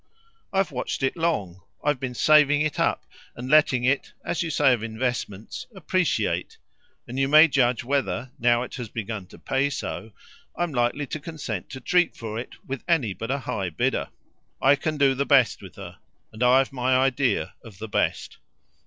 I've watched it long; I've been saving it up and letting it, as you say of investments, appreciate; and you may judge whether, now it has begun to pay so, I'm likely to consent to treat for it with any but a high bidder. I can do the best with her, and I've my idea of the best."